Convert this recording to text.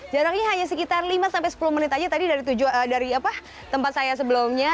jaraknya hanya sekitar lima sampai sepuluh menit aja tadi dari tempat saya sebelumnya